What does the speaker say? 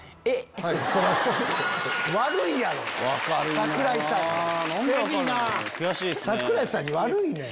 櫻井さんに悪いねん。